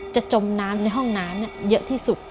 จมน้ำในห้องน้ำเยอะที่สุด